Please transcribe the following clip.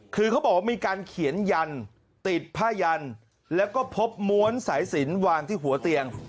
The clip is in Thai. คือเขาบอกว่ามีการเขียนยันติดผ้ายันแล้วก็พบม้วนสายสินวางที่หัวเตียง